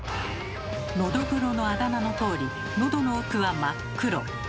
「ノドグロ」のあだ名のとおりのどの奥は真っ黒。